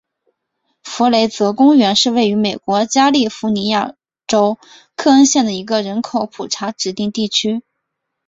弗雷泽公园是位于美国加利福尼亚州克恩县的一个人口普查指定地区。